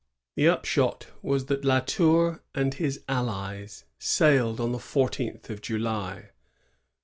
The upshot was that La Tour and his allies sailed on the fourteenth of July.